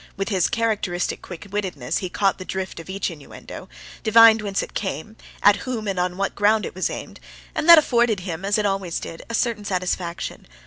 With his characteristic quickwittedness he caught the drift of each innuendo, divined whence it came, at whom and on what ground it was aimed, and that afforded him, as it always did, a certain satisfaction.